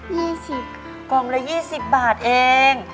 ๒๐บาทกล่องละ๒๐บาทเอง